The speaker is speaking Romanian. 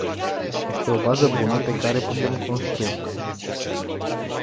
Este o bază bună pe care putem construi.